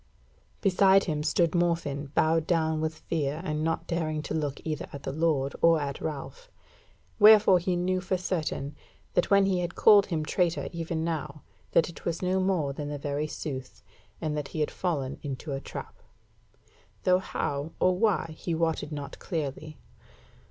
Beside him stood Morfinn bowed down with fear and not daring to look either at the Lord or at Ralph. Wherefore he knew for certain that when he had called him traitor even now, that it was no more than the very sooth, and that he had fallen into the trap; though how or why he wotted not clearly.